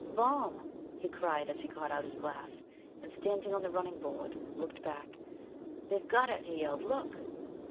"Bomb," he cried, as he got out his glass, and, standing on the running board, looked back. "They've got it," he yelled. "Look!"